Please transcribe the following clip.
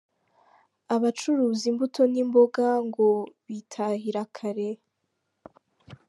Abacuruza imbuto n’imboga ngo bitahira kare.